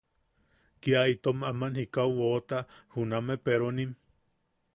Kia itom aman jikau woʼota juname peronim.